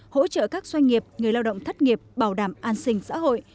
hỗ trợ các doanh nghiệp người lao động thất nghiệp bảo đảm an sinh xã hội